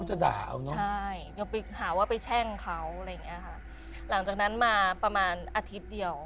ก็คงจะด่าเค้านั้งใส่ชั่งเขาหลังจากนั้นมาประมาณอาทิตย์เดียว